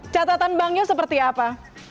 catatan bang yos seperti apa